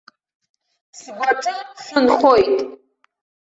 Сгәаҿы шәынхоит.